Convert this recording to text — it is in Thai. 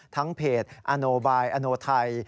ทั้งเพจอโนบายอโนไทร